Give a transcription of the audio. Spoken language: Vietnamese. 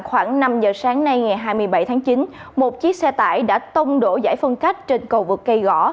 khoảng năm giờ sáng nay ngày hai mươi bảy tháng chín một chiếc xe tải đã tông đổ giải phân cách trên cầu vực cây gõ